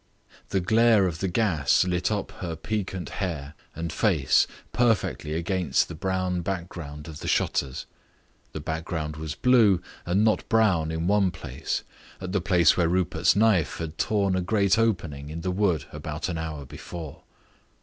The glare of the gas lit up her piquant hair and face perfectly against the brown background of the shutters. The background was blue and not brown in one place; at the place where Rupert's knife had torn a great opening in the wood about an hour before.